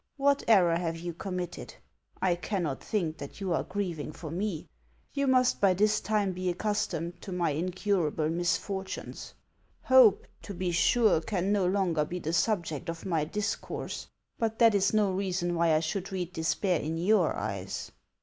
"What error have you committed ? I cannot think that you are grieving for me ; you must by this time be ac customed to my incurable misfortunes. Hope, to be sure, can no longer be the subject of my discourse ; but that is no reason why I should read despair in your eyes."